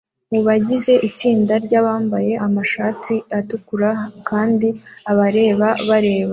mubagize itsinda bambaye amashati atukura kandi abareba bareba